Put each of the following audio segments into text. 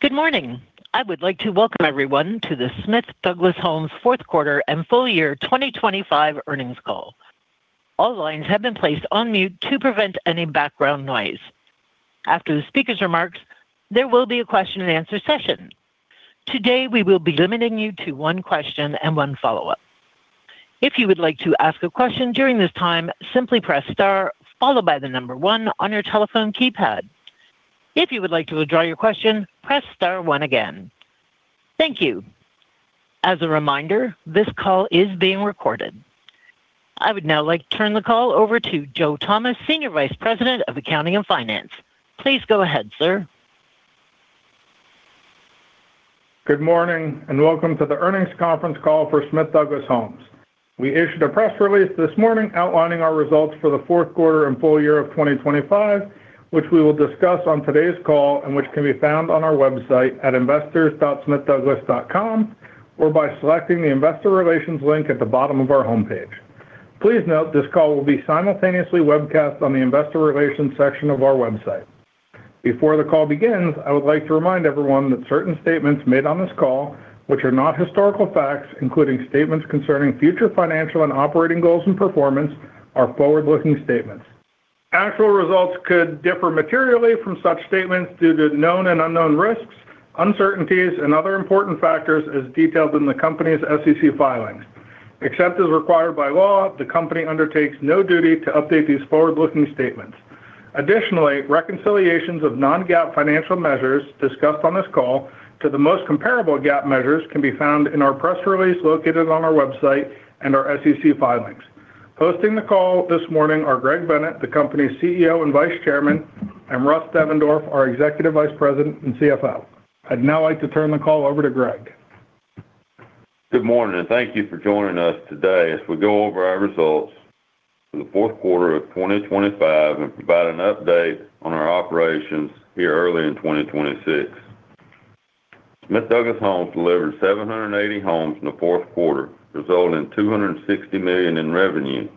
Good morning. I would like to welcome everyone to the Smith Douglas Homes fourth quarter and full year 2025 earnings call. All lines have been placed on mute to prevent any background noise. After the speaker's remarks, there will be a question-and-answer session. Today, we will be limiting you to one question and one follow-up. If you would like to ask a question during this time, simply press star followed by the number one on your telephone keypad. If you would like to withdraw your question, press star one again. Thank you. As a reminder, this call is being recorded. I would now like to turn the call over to Joe Thomas, Senior Vice President of Accounting and Finance. Please go ahead, sir. Good morning, and welcome to the earnings conference call for Smith Douglas Homes. We issued a press release this morning outlining our results for the fourth quarter and full year of 2025, which we will discuss on today's call and which can be found on our website at investors.smithdouglas.com or by selecting the Investor Relations link at the bottom of our homepage. Please note this call will be simultaneously webcast on the Investor Relations section of our website. Before the call begins, I would like to remind everyone that certain statements made on this call, which are not historical facts, including statements concerning future financial and operating goals and performance, are forward-looking statements. Actual results could differ materially from such statements due to known and unknown risks, uncertainties and other important factors as detailed in the company's SEC filings. Except as required by law, the company undertakes no duty to update these forward-looking statements. Additionally, reconciliations of non-GAAP financial measures discussed on this call to the most comparable GAAP measures can be found in our press release located on our website and our SEC filings. Hosting the call this morning are Greg Bennett, the company's CEO and Vice Chairman, and Russ Devendorf, our Executive Vice President and CFO. I'd now like to turn the call over to Greg. Good morning and thank you for joining us today as we go over our results for the fourth quarter of 2025, and provide an update on our operations here early in 2026. Smith Douglas Homes delivered 780 homes in the fourth quarter, resulting in $260 million in revenue.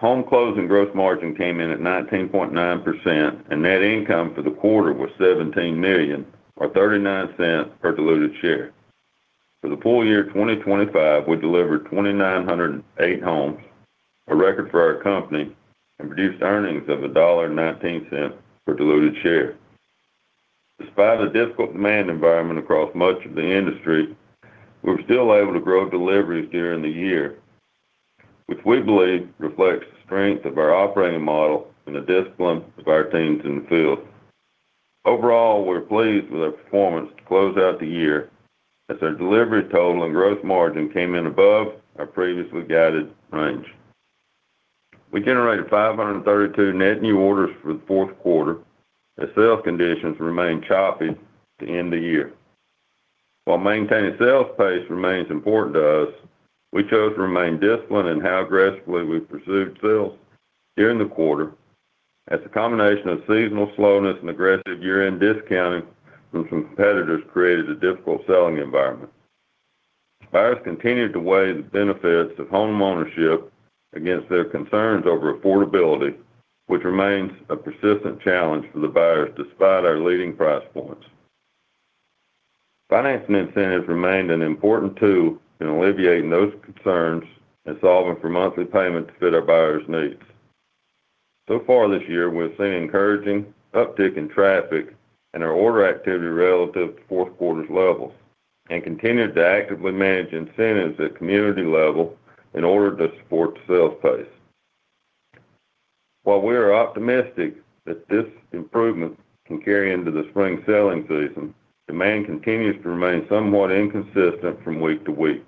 Home closing gross margin came in at 19.9% and net income for the quarter was $17 million or $0.39 per diluted share. For the full year 2025, we delivered 2,908 homes, a record for our company, and produced earnings of $1.19 per diluted share. Despite a difficult demand environment across much of the industry, we were still able to grow deliveries during the year, which we believe reflects the strength of our operating model and the discipline of our teams in the field. Overall, we're pleased with our performance to close out the year as our delivery total and gross margin came in above our previously guided range. We generated 532 net new orders for the fourth quarter as sales conditions remained choppy to end the year. While maintaining sales pace remains important to us, we chose to remain disciplined in how aggressively we pursued sales during the quarter as a combination of seasonal slowness and aggressive year-end discounting from some competitors created a difficult selling environment. Buyers continued to weigh the benefits of homeownership against their concerns over affordability, which remains a persistent challenge for the buyers despite our leading price points. Financing incentives remained an important tool in alleviating those concerns, and solving for monthly payment to fit our buyers' needs. Far this year, we've seen encouraging uptick in traffic, and our order activity relative to fourth quarter's levels and continued to actively manage incentives at community level in order to support the sales pace. While we are optimistic that this improvement can carry into the spring selling season, demand continues to remain somewhat inconsistent from week to week.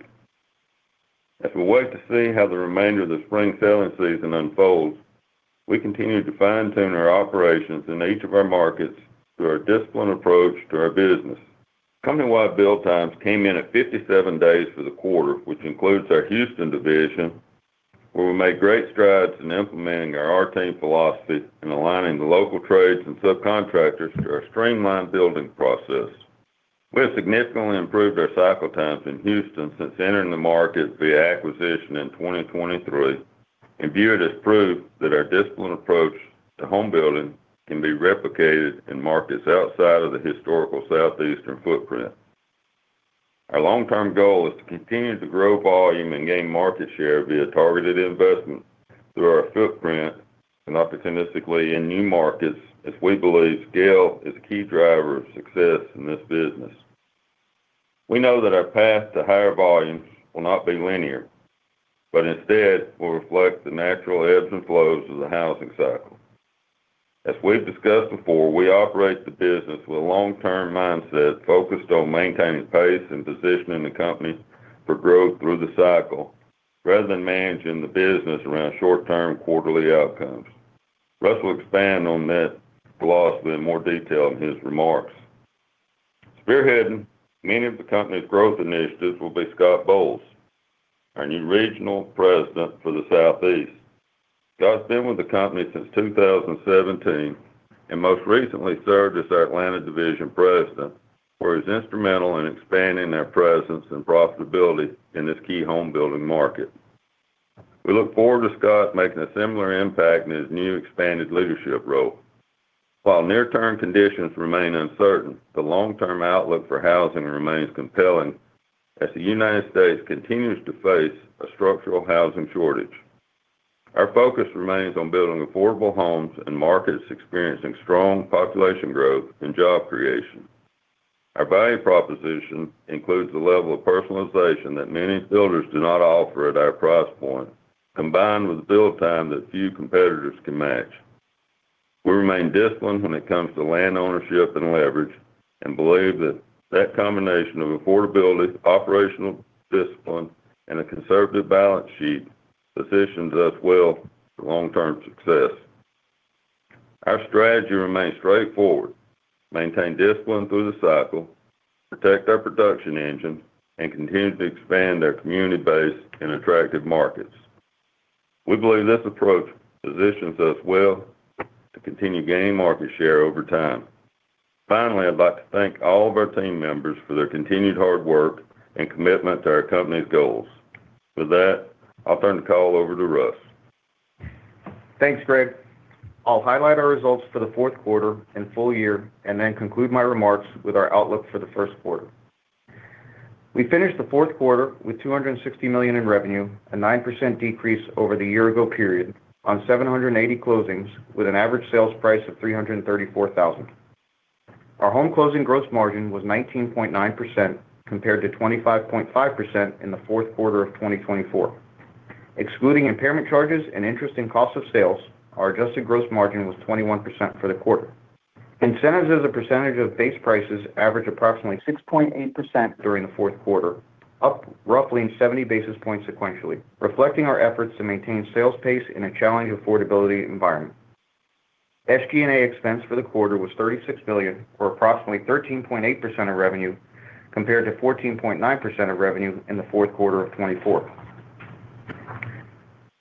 As we wait to see how the remainder of the spring selling season unfolds, we continue to fine-tune our operations in each of our markets through our disciplined approach to our business. Company-wide build times came in at 57 days for the quarter, which includes our Houston division, where we made great strides in implementing our R-Team philosophy and aligning the local trades and subcontractors through our streamlined building process. We have significantly improved our cycle times in Houston since entering the market via acquisition in 2023 and view it as proof that our disciplined approach to home building can be replicated in markets outside of the historical southeastern footprint. Our long-term goal is to continue to grow volume, and gain market share via targeted investment through our footprint and opportunistically in new markets as we believe scale is a key driver of success in this business. We know that our path to higher volumes will not be linear, but instead will reflect the natural ebbs and flows of the housing cycle. As we've discussed before, we operate the business with a long-term mindset focused on maintaining pace and positioning the company for growth through the cycle rather than managing the business around short-term quarterly outcomes. Russ will expand on that philosophy in more detail in his remarks. Spearheading many of the company's growth initiatives will be Scott Bowles, our new Regional President for the Southeast. Scott's been with the company since 2017 and most recently served as our Atlanta Division President, where he was instrumental in expanding our presence and profitability in this key home building market. We look forward to Scott making a similar impact in his new expanded leadership role. While near-term conditions remain uncertain, the long-term outlook for housing remains compelling as the United States continues to face a structural housing shortage. Our focus remains on building affordable homes in markets experiencing strong population growth and job creation. Our value proposition includes the level of personalization that many builders do not offer at our price point, combined with build time that few competitors can match. We remain disciplined when it comes to land ownership and leverage, and believe that combination of affordability, operational discipline, and a conservative balance sheet positions us well for long-term success. Our strategy remains straightforward. Maintain discipline through the cycle, protect our production engine, and continue to expand our community base in attractive markets. We believe this approach positions us well to continue gaining market share over time. Finally, I'd like to thank all of our team members for their continued hard work and commitment to our company's goals. With that, I'll turn the call over to Russ. Thanks, Greg. I'll highlight our results for the fourth quarter and full year, and then conclude my remarks with our outlook for the first quarter. We finished the fourth quarter with $260 million in revenue, a 9% decrease over the year-ago period on 780 closings with an average sales price of $334,000. Our home closing gross margin was 19.9% compared to 25.5% in the fourth quarter of 2024. Excluding impairment charges and interest in cost of sales, our adjusted gross margin was 21% for the quarter. Incentives as a percentage of base prices averaged approximately 6.8% during the fourth quarter, up roughly 70 basis points sequentially, reflecting our efforts to maintain sales pace in a challenging affordability environment. SG&A expense for the quarter was $36 million or approximately 13.8% of revenue, compared to 14.9% of revenue in the fourth quarter of 2024.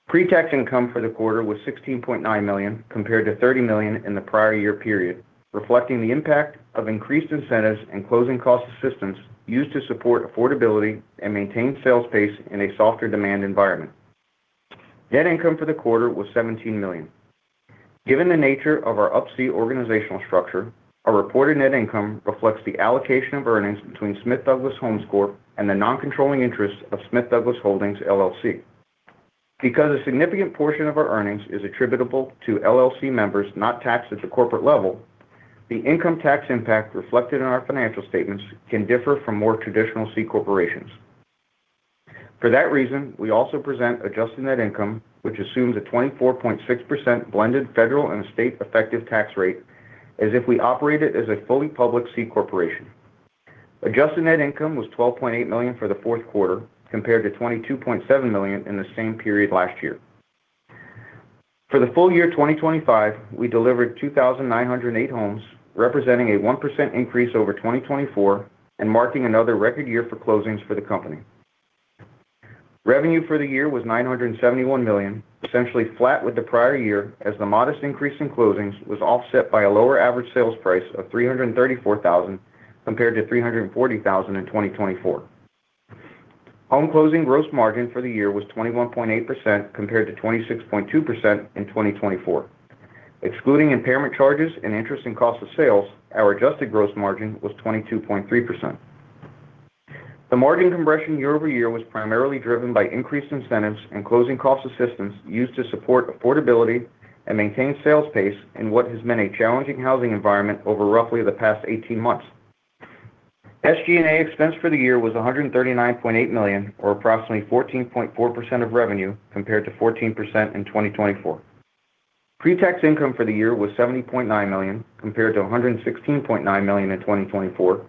Pre-tax income for the quarter was $16.9 million compared to $30 million in the prior year period, reflecting the impact of increased incentives and closing cost assistance used to support affordability, and maintain sales pace in a softer demand environment. Net income for the quarter was $17 million. Given the nature of our Up-C organizational structure, our reported net income reflects the allocation of earnings between Smith Douglas Homes Corp. and the non-controlling interest of Smith Douglas Holdings LLC. Because a significant portion of our earnings is attributable to LLC members not taxed at the corporate level, the income tax impact reflected in our financial statements can differ from more traditional C corporations. For that reason, we also present adjusted net income, which assumes a 24.6% blended federal and state effective tax rate as if we operated as a fully public C corporation. Adjusted net income was $12.8 million for the fourth quarter, compared to $22.7 million in the same period last year. For the full year 2025, we delivered 2,908 homes, representing a 1% increase over 2024, and marking another record year for closings for the company. Revenue for the year was $971 million, essentially flat with the prior year as the modest increase in closings was offset by a lower average sales price of $334,000 compared to $340,000 in 2024. Home closing gross margin for the year was 21.8% compared to 26.2% in 2024. Excluding impairment charges and interest in cost of sales, our adjusted gross margin was 22.3%. The margin compression year-over-year was primarily driven by increased incentives, and closing cost assistance used to support affordability and maintain sales pace in what has been a challenging housing environment over roughly the past 18 months. SG&A expense for the year was $139.8 million or approximately 14.4% of revenue compared to 14% in 2024. Pre-tax income for the year was $70.9 million compared to $116.9 million in 2024,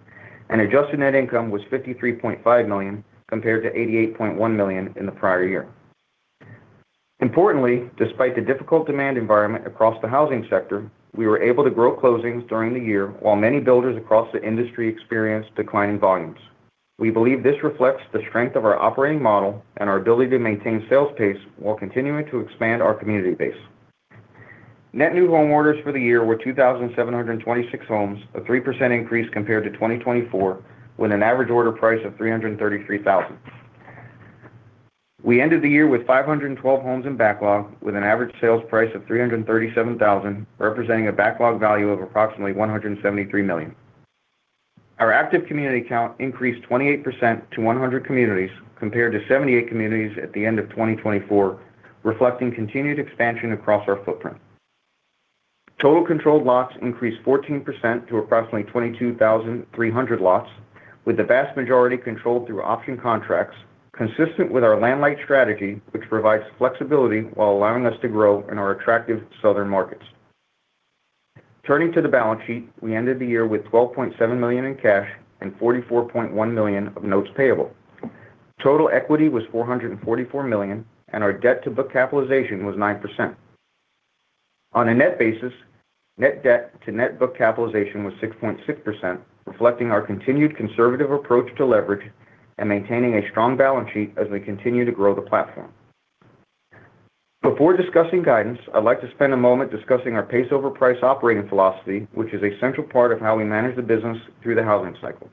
and adjusted net income was $53.5 million compared to $88.1 million in the prior year. Importantly, despite the difficult demand environment across the housing sector, we were able to grow closings during the year while many builders across the industry experienced declining volumes. We believe this reflects the strength of our operating model and our ability to maintain sales pace while continuing to expand our community base. Net new home orders for the year were 2,726 homes, a 3% increase compared to 2024, with an average order price of $333,000. We ended the year with 512 homes in backlog with an average sales price of $337,000, representing a backlog value of approximately $173 million. Our active community count increased 28% to 100 communities compared to 78 communities at the end of 2024, reflecting continued expansion across our footprint. Total controlled lots increased 14% to approximately 22,300 lots, with the vast majority controlled through option contracts, consistent with our land-light strategy, which provides flexibility while allowing us to grow in our attractive southern markets. Turning to the balance sheet, we ended the year with $12.7 million in cash, and $44.1 million of notes payable. Total equity was $444 million, and our debt to book capitalization was 9%. On a net basis, net debt to net book capitalization was 6.6%, reflecting our continued conservative approach to leverage and maintaining a strong balance sheet as we continue to grow the platform. Before discussing guidance, I'd like to spend a moment discussing our pace over price operating philosophy, which is a central part of how we manage the business through the housing cycle.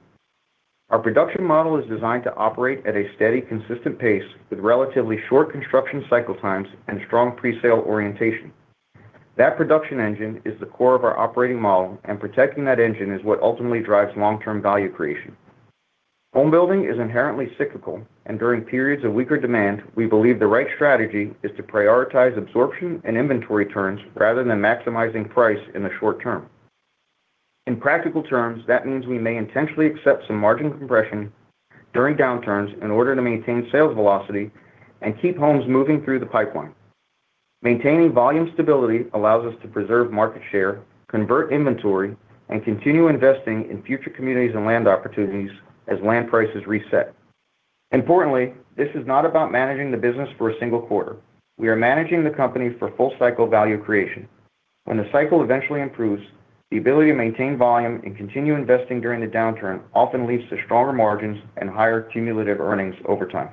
Our production model is designed to operate at a steady, consistent pace with relatively short construction cycle times and strong pre-sale orientation. That production engine is the core of our operating model, and protecting that engine is what ultimately drives long-term value creation. Home building is inherently cyclical, and during periods of weaker demand, we believe the right strategy is to prioritize absorption and inventory turns rather than maximizing price in the short term. In practical terms, that means we may intentionally accept some margin compression during downturns in order to maintain sales velocity and keep homes moving through the pipeline. Maintaining volume stability allows us to preserve market share, convert inventory, and continue investing in future communities and land opportunities as land prices reset. Importantly, this is not about managing the business for a single quarter. We are managing the company for full cycle value creation. When the cycle eventually improves, the ability to maintain volume and continue investing during the downturn often leads to stronger margins and higher cumulative earnings over time.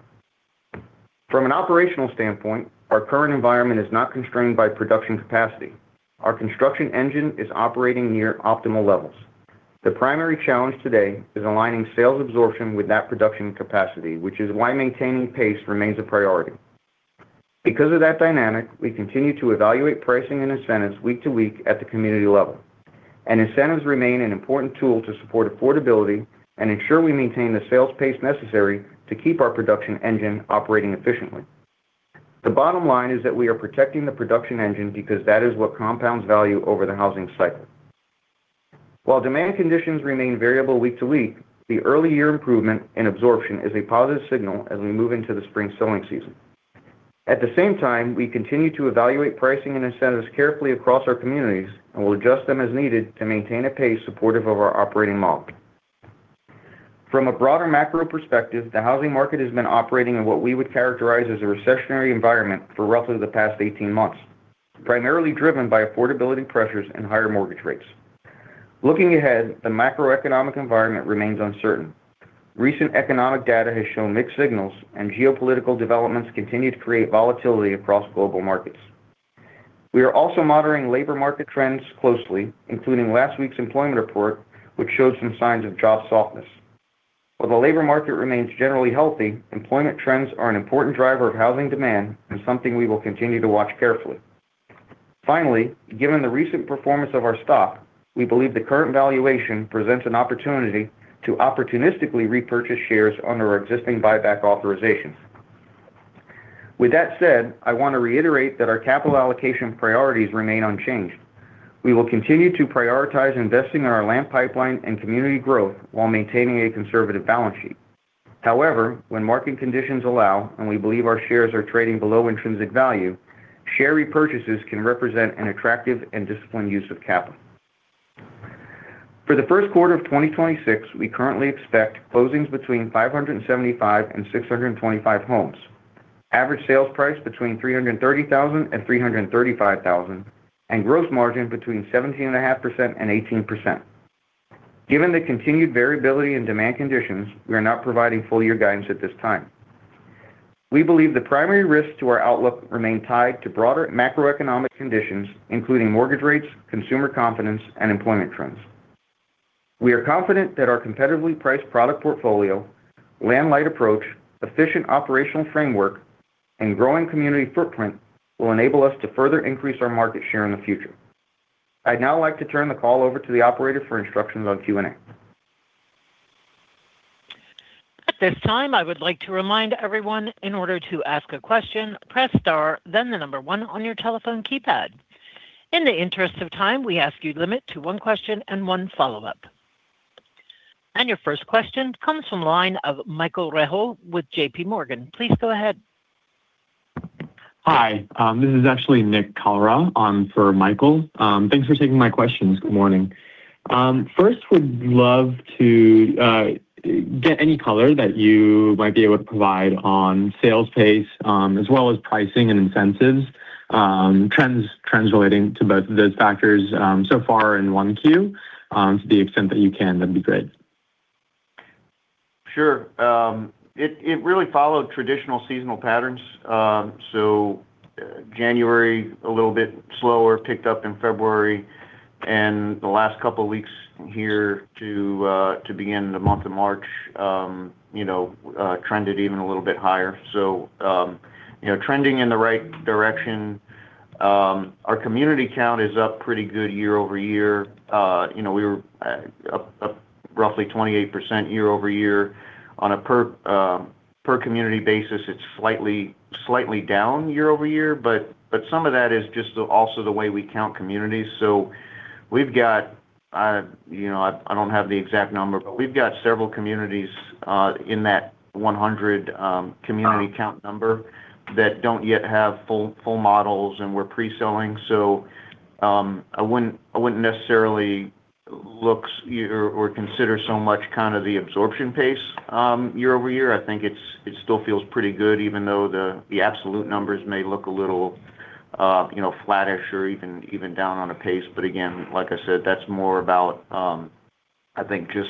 From an operational standpoint, our current environment is not constrained by production capacity. Our construction engine is operating near optimal levels. The primary challenge today is aligning sales absorption with that production capacity, which is why maintaining pace remains a priority. Because of that dynamic, we continue to evaluate pricing and incentives week to week at the community level. Incentives remain an important tool to support affordability and ensure we maintain the sales pace necessary to keep our production engine operating efficiently. The bottom line is that we are protecting the production engine because that is what compounds value over the housing cycle. While demand conditions remain variable week to week, the early year improvement in absorption is a positive signal as we move into the spring selling season. At the same time, we continue to evaluate pricing and incentives carefully across our communities and will adjust them as needed to maintain a pace supportive of our operating model. From a broader macro perspective, the housing market has been operating in what we would characterize as a recessionary environment for roughly the past 18 months, primarily driven by affordability pressures and higher mortgage rates. Looking ahead, the macroeconomic environment remains uncertain. Recent economic data has shown mixed signals, and geopolitical developments continue to create volatility across global markets. We are also monitoring labor market trends closely, including last week's employment report, which showed some signs of job softness. While the labor market remains generally healthy, employment trends are an important driver of housing demand, and something we will continue to watch carefully. Finally, given the recent performance of our stock, we believe the current valuation presents an opportunity to opportunistically repurchase shares under our existing buyback authorizations. With that said, I want to reiterate that our capital allocation priorities remain unchanged. We will continue to prioritize investing in our land pipeline and community growth while maintaining a conservative balance sheet. However, when market conditions allow, and we believe our shares are trading below intrinsic value, share repurchases can represent an attractive and disciplined use of capital. For the first quarter of 2026, we currently expect closings between 575 and 625 homes, average sales price between $330,000 and $335,000, and gross margin between 17.5% and 18%. Given the continued variability in demand conditions, we are not providing full year guidance at this time. We believe the primary risks to our outlook remain tied to broader macroeconomic conditions, including mortgage rates, consumer confidence, and employment trends. We are confident that our competitively priced product portfolio, land-light approach, efficient operational framework, and growing community footprint will enable us to further increase our market share in the future. I'd now like to turn the call over to the operator for instructions on Q&A. At this time, I would like to remind everyone in order to ask a question, press star then the number one on your telephone keypad. In the interest of time, we ask you limit to one question and one follow-up. Your first question comes from line of Michael Rehaut with JPMorgan. Please go ahead. Hi, this is actually Nikhil Kalra on for Michael. Thanks for taking my questions. Good morning. First would love to get any color that you might be able to provide on sales pace, as well as pricing and incentives, trends relating to both of those factors, so far in 1Q, to the extent that you can, that'd be great. Sure. It really followed traditional seasonal patterns. January a little bit slower, picked up in February and the last couple of weeks here to begin the month of March, trended even a little bit higher. TRending in the right direction. Our community count is up pretty good year-over-year. We were up roughly 28% year-over-year. On a per community basis, it's slightly down year-over-year. Some of that is just also the way we count communities. I don't have the exact number, but we've got several communities in that 100 community count number that don't yet have full models, and we're pre-selling. I wouldn't necessarily look or consider so much kind of the absorption pace year-over-year. I think it still feels pretty good even though the absolute numbers may look a little, flattish or even down on a pace. Again, like I said, that's more about, I think, just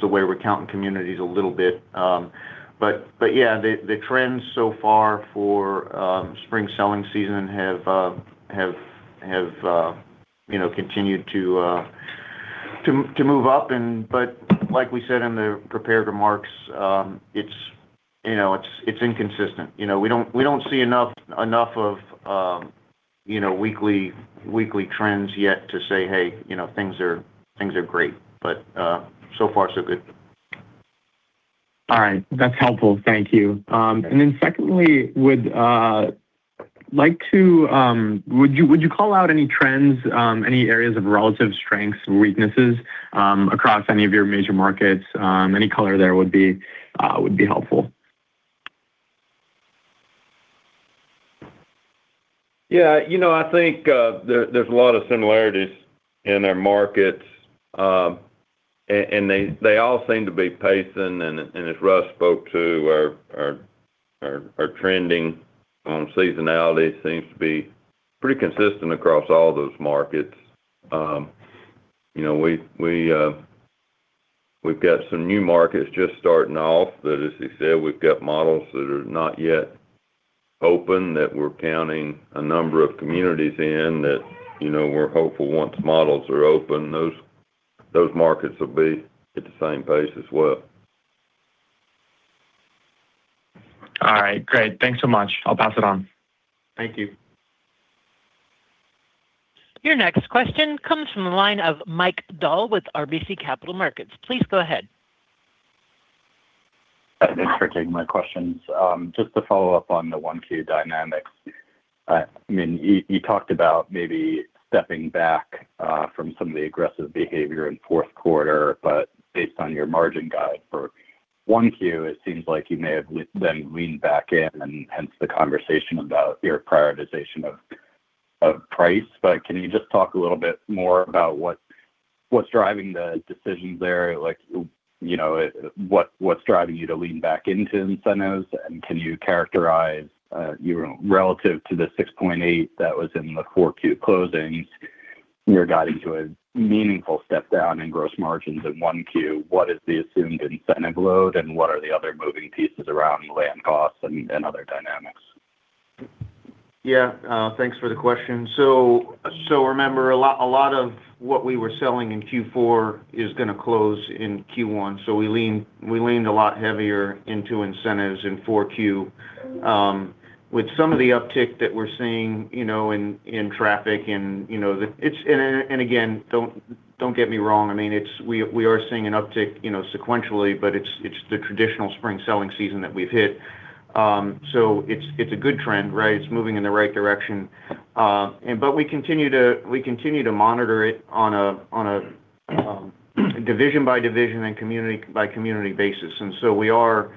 the way we're counting communities a little bit. Yeah, the trends so far for spring selling season have continued to move up, but like we said in the prepared remarks, it's inconsistent. We don't see enough of weekly trends yet to say, "Hey, things are great," but so far so good. All right. That's helpful. Thank you. Secondly, would you call out any trends, any areas of relative strengths and weaknesses, across any of your major markets? Any color there would be helpful. Yeah. I think, there's a lot of similarities in our markets, and they all seem to be pacing. As Russ spoke to our trending on seasonality seems to be pretty consistent across all those markets. We've got some new markets just starting off that, as he said, we've got models that are not yet open, that we're counting a number of communities in that, we're hopeful once models are open, those markets will be at the same pace as well. All right. Great. Thanks so much. I'll pass it on. Thank you. Your next question comes from the line of Mike Dahl with RBC Capital Markets. Please go ahead. Thanks for taking my questions. Just to follow up on the 1Q dynamics. I mean, you talked about maybe stepping back from some of the aggressive behavior in fourth quarter, but based on your margin guide for 1Q, it seems like you may have then leaned back in, and hence the conversation about your prioritization of price. Can you just talk a little bit more about what's driving the decisions there? Like what's driving you to lean back into incentives, and can you characterize, relative to the 6.8% that was in the 4Q closings, you're guiding to a meaningful step down in gross margins in 1Q. What is the assumed incentive load, and what are the other moving pieces around land costs and other dynamics? Yeah. Thanks for the question. Remember a lot of what we were selling in Q4 is gonna close in Q1. We leaned a lot heavier into incentives in Q4. With some of the uptick that we're seeing in traffic and again, don't get me wrong, I mean, we are seeing an uptick sequentially, but it's the traditional spring selling season that we've hit. It's a good trend, right? It's moving in the right direction. But we continue to monitor it on a division by division and community by community basis. We're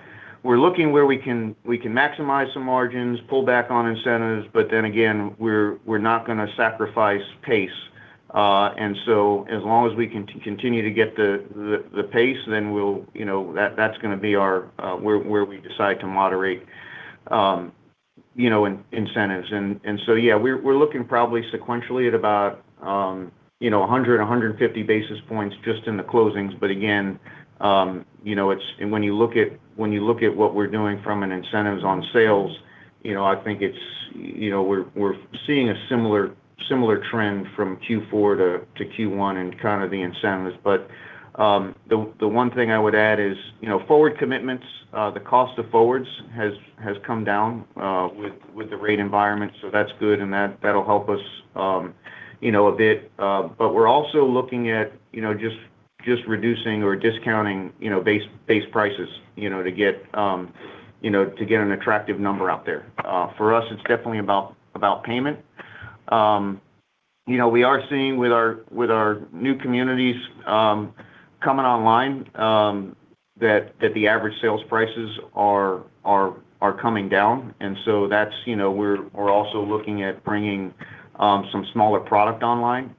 looking where we can maximize some margins, pull back on incentives, but then again, we're not gonna sacrifice pace. As long as we continue to get the pace, then we'll that's gonna be our where we decide to moderate incentives. Yeah, we're looking probably sequentially at about 150 basis points just in the closings. again it's when you look at what we're doing from an incentives on sales I think it's we're seeing a similar trend from Q4 to Q1 in kind of the incentives. The one thing I would add is forward commitments, the cost of forwards has come down with the rate environment, so that's good, and that'll help us a bit. We're also looking at just reducing or discounting base prices to get an attractive number out there. For us, it's definitely about payment. We are seeing with our new communities coming online that the average sales prices are coming down. that's we're also looking at bringing some smaller product online.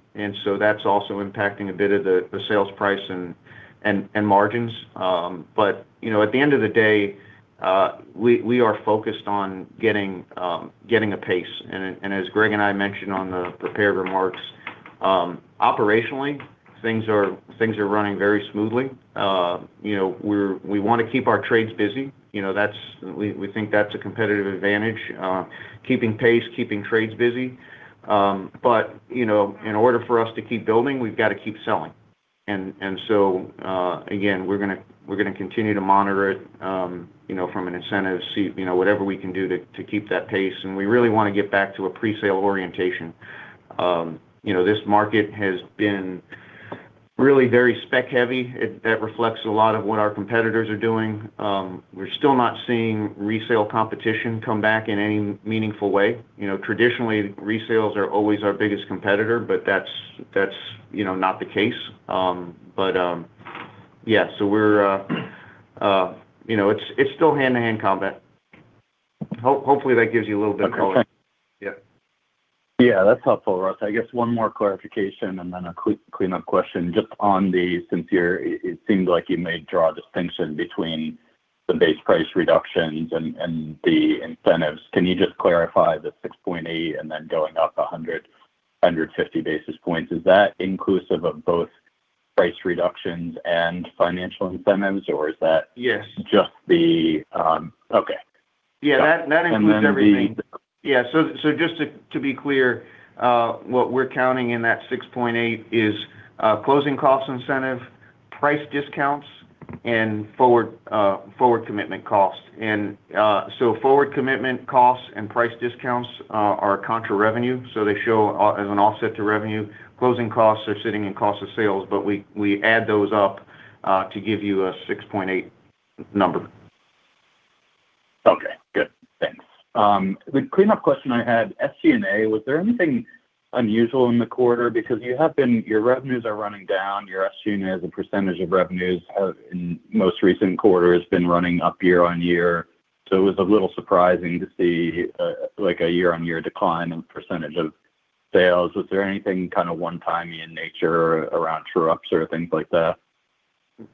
That's also impacting a bit of the sales price and margins. At the end of the day, we are focused on getting a pace. As Greg and I mentioned on the prepared remarks, operationally, things are running very smoothly. We wanna keep our trades busy. We think that's a competitive advantage, keeping pace, keeping trades busy. In order for us to keep building, we've got to keep selling. Again, we're gonna continue to monitor it from an incentive standpoint whatever we can do to keep that pace, and we really wanna get back to a presale orientation. This market has been really very spec-heavy. It reflects a lot of what our competitors are doing. We're still not seeing resale competition come back in any meaningful way. Traditionally, resales are always our biggest competitor, but that's not the case. It's still hand-to-hand combat. Hopefully, that gives you a little bit of color. Yeah, that's helpful, Russ. I guess one more clarification and then a cleanup question. Just on the, it seems like you may draw a distinction between the base price reductions and the incentives. Can you just clarify the 6.8%, and then going up 150 basis points? Is that inclusive of both price reductions and financial incentives, or is that? Yes Okay. Yeah, that includes everything. Yeah. Just to be clear, what we're counting in that 6.8% is closing cost incentive, price discounts, and forward commitment costs. Forward commitment costs and price discounts are contra revenue, so they show as an offset to revenue. Closing costs are sitting in cost of sales, but we add those up to give you a 6.8% number. Okay. Good. Thanks. The cleanup question I had, SG&A, was there anything unusual in the quarter? Because your revenues are running down, your SG&A as a percentage of revenues have, in most recent quarters, been running up year-over-year. It was a little surprising to see, like a year-over-year decline in percentage of sales. Was there anything kind of one-timey in nature around true-ups or things like that?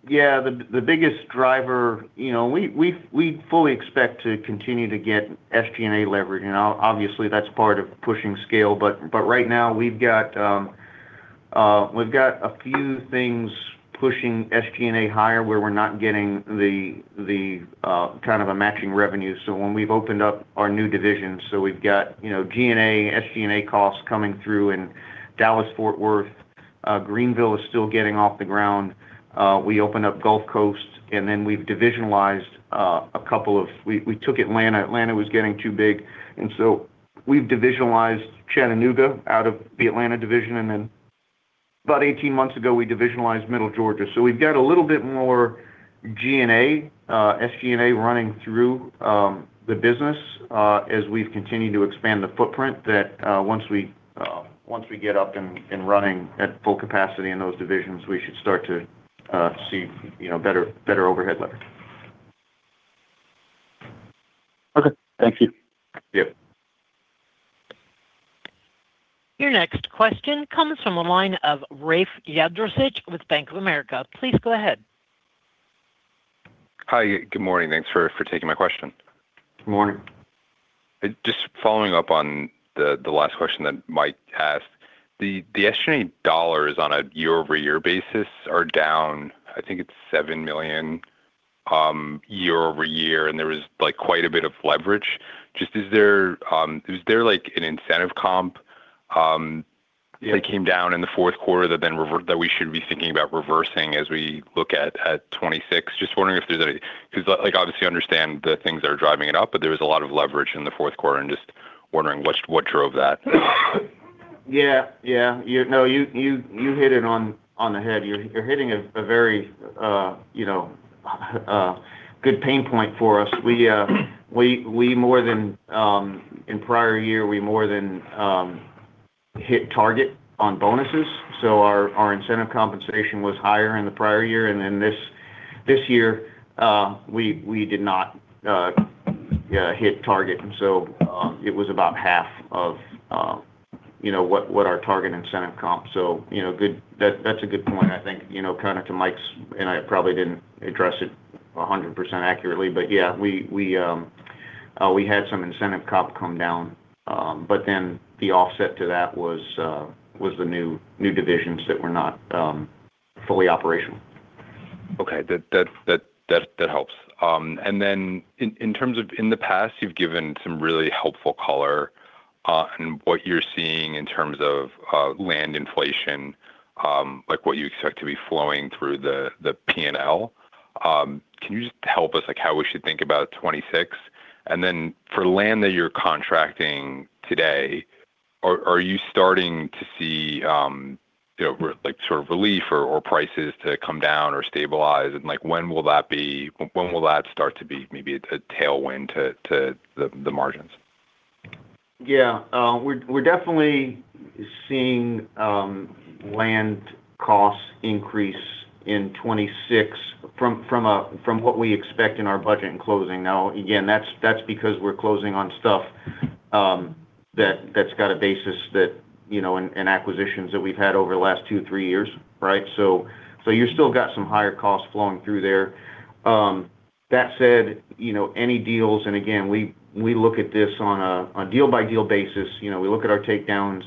Yeah. The biggest driver. We fully expect to continue to get SG&A leverage. Obviously, that's part of pushing scale. Right now we've got a few things pushing SG&A higher where we're not getting the kind of a matching revenue. When we've opened up our new divisions, so we've got G&A, SG&A costs coming through in Dallas-Fort Worth. Greenville is still getting off the ground. We opened up Gulf Coast, and then we've divisionalized a couple of. We took Atlanta. Atlanta was getting too big, and so we've divisionalized Chattanooga out of the Atlanta division. Then about 18 months ago, we divisionalized Middle Georgia. We've got a little bit more G&A, SG&A running through the business, as we've continued to expand the footprint that once we get up and running at full capacity in those divisions, we should start to see better overhead leverage. Okay. Thank you. Yep. Your next question comes from the line of Rafe Jadrosich with Bank of America. Please go ahead. Hi. Good morning. Thanks for taking my question. Good morning. Just following up on the last question that Mike asked. The SG&A dollars on a year-over-year basis are down, I think it's $7 million year-over-year, and there was, like, quite a bit of leverage. Just, is there, like, an incentive comp? Yeah that came down in the fourth quarter that then that we should be thinking about reversing as we look at 2026? Just wondering if there's any 'Cause, like, obviously understand the things that are driving it up, but there was a lot of leverage in the fourth quarter. I'm just wondering what drove that. Yeah. Yeah. No, you hit it on the head. You're hitting a very good pain point for us. In prior year, we more than hit target on bonuses. Our incentive compensation was higher in the prior year. This year, we did not hit target. It was about half of what our target incentive comp. That's a good point. I think kind of to Mike's, and I probably didn't address it 100% accurately. Yeah, we had some incentive comp come down. The offset to that was the new divisions that were not fully operational. Okay. That helps. In terms of in the past, you've given some really helpful color on what you're seeing in terms of land inflation, like what you expect to be flowing through the P&L. Can you just help us, like how we should think about 2026? For land that you're contracting today, are you starting to see like sort of relief or prices to come down or stabilize? Like, when will that start to be maybe a tailwind to the margins? Yeah. We're definitely seeing land costs increase in 2026 from what we expect in our budget in closing. Now, again, that's because we're closing on stuff that that's got a basis that and acquisitions that we've had over the last two, three years, right? So you still got some higher costs flowing through there. That said any deals, and again, we look at this on a deal-by-deal basis. We look at our takedowns,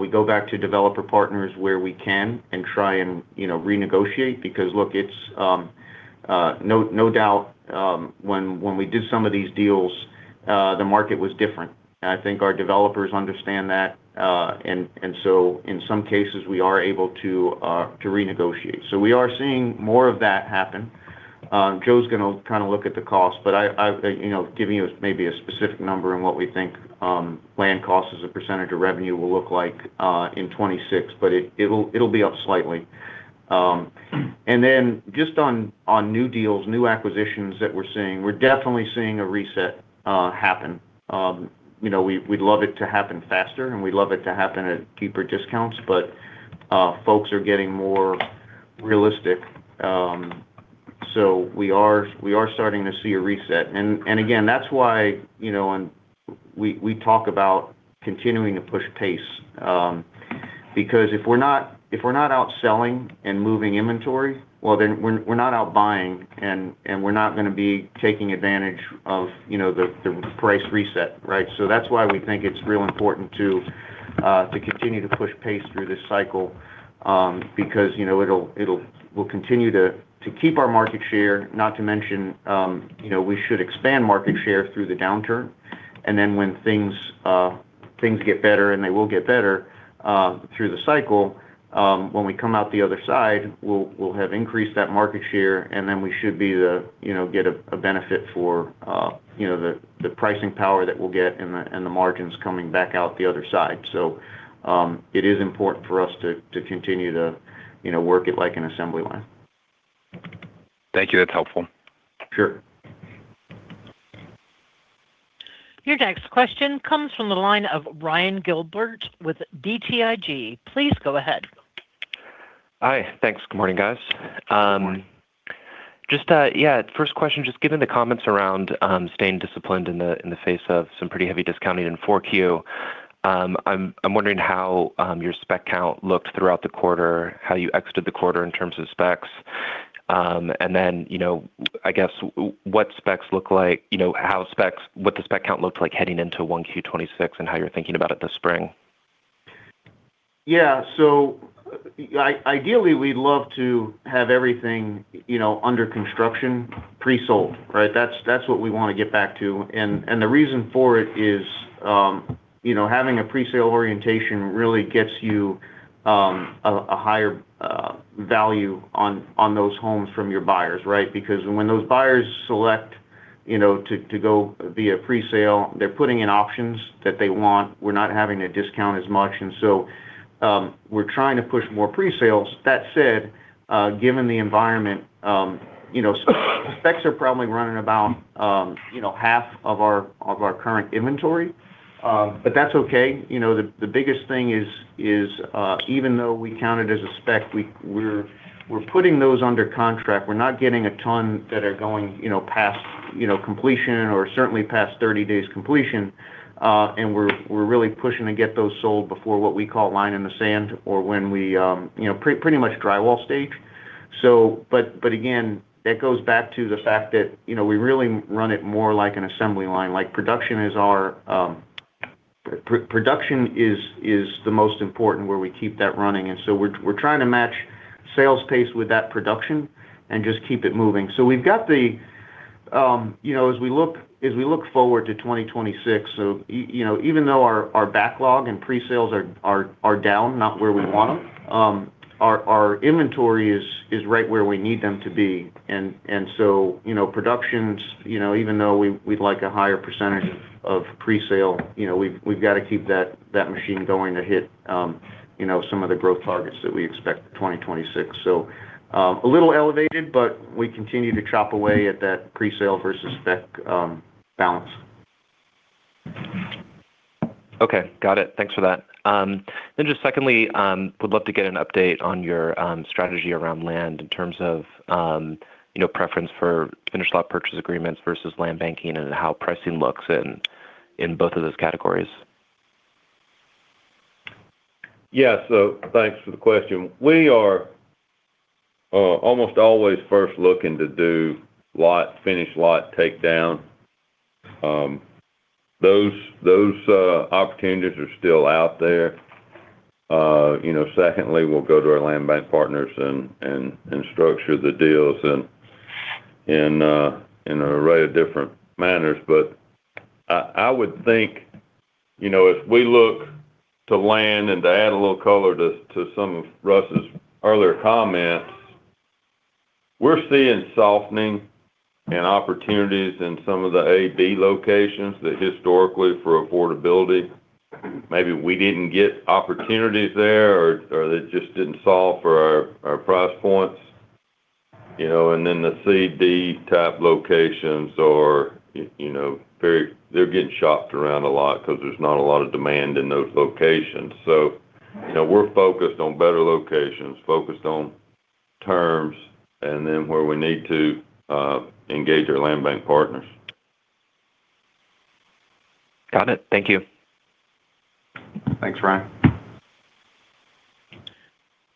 we go back to developer partners where we can and try and renegotiate. Because look, it's no doubt when we did some of these deals the market was different. I think our developers understand that. In some cases, we are able to renegotiate. We are seeing more of that happen. Joe's gonna kind of look at the cost, but i've giving you maybe a specific number on what we think land cost as a percentage of revenue will look like in 2026, but it'll be up slightly. Just on new deals, new acquisitions that we're seeing, we're definitely seeing a reset happen. We'd love it to happen faster, and we'd love it to happen at deeper discounts, but folks are getting more realistic. We are starting to see a reset. Again, that's why we talk about continuing to push pace. Because if we're not out selling and moving inventory, then we're not out buying and we're not gonna be taking advantage of the price reset, right? That's why we think it's real important to continue to push pace through this cycle, because we'll continue to keep our market share, not to mention we should expand market share through the downturn. Then when things get better, and they will get better through the cycle, when we come out the other side, we'll have increased that market share, and then we should be the get a benefit for the pricing power that we'll get and the margins coming back out the other side. It is important for us to continue to work it like an assembly line. Thank you. That's helpful. Sure. Your next question comes from the line of Ryan Gilbert with BTIG. Please go ahead. Hi. Thanks. Good morning, guys. Yeah, first question, just given the comments around staying disciplined in the face of some pretty heavy discounting in 4Q, I'm wondering how your spec count looked throughout the quarter, how you exited the quarter in terms of specs. then I guess what the spec count looks like heading into 1Q 2026, and how you're thinking about it this spring? Yeah. Ideally, we'd love to have everything under construction pre-sold. Right? That's what we wanna get back to. The reason for it is having a presale orientation really gets you a higher value on those homes from your buyers, right? Because when those buyers select to go via presale, they're putting in options that they want. We're not having to discount as much. We're trying to push more presales. That said, given the environment, specs are probably running about half of our current inventory. That's okay. The biggest thing is even though we count it as a spec, we're putting those under contract. We're not getting a ton that are going past completion or certainly past 30 days completion. We're really pushing to get those sold before what we call line in the sand or when we pretty much drywall stage. But again, that goes back to the fact that we really run it more like an assembly line. Like, production is our production is the most important where we keep that running. We're trying to match sales pace with that production and just keep it moving. We've got them, as we look forward to 2026, even though our backlog and presales are down, not where we want them, our inventory is right where we need them to be. Production, even though we'd like a higher percentage of presale, we've got to keep that machine going to hit some of the growth targets that we expect for 2026. A little elevated, but we continue to chop away at that presale versus spec balance. Okay. Got it. Thanks for that. Just secondly, would love to get an update on your strategy around land in terms of preference for finished lot purchase agreements versus land banking, and how pricing looks in both of those categories. Yeah. Thanks for the question. We are almost always first looking to do finished lot takedown. Those opportunities are still out there. Secondly, we'll go to our land bank partners and structure the deals in an array of different manners. I would think if we look to land, and to add a little color to some of Russ's earlier comments, we're seeing softening and opportunities in some of the A, B locations that historically for affordability, maybe we didn't get opportunities there or that just didn't solve for our price points. Then the C, D type locations they're getting shopped around a lot because there's not a lot of demand in those locations. We're focused on better locations, focused on terms, and then where we need to engage our land bank partners. Got it. Thank you. Thanks, Ryan.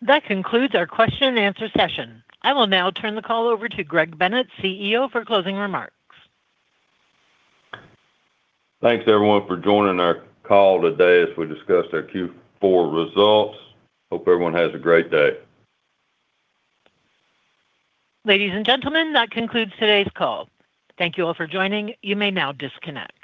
That concludes our question and answer session. I will now turn the call over to Greg Bennett, CEO, for closing remarks. Thanks, everyone, for joining our call today as we discussed our Q4 results. Hope everyone has a great day. Ladies and gentlemen, that concludes today's call. Thank you all for joining. You may now disconnect.